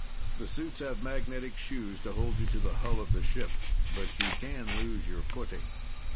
The suits have magnetic shoes to hold you to the hull of the ship, but you can lose your footing."